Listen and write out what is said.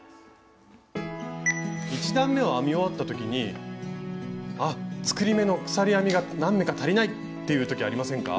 １段めを編み終わった時に「あっ作り目の鎖編みが何目か足りない！」っていう時ありませんか？